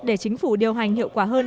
để chính phủ điều hành hiệu quả hơn